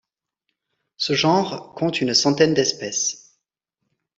Ce genre compte une centaine d'espèces.